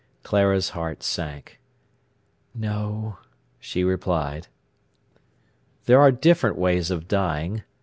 Clara's heart sank. "No," she replied. "There are different ways of dying.